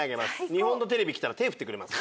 日本のテレビ来たら手振ってくれます。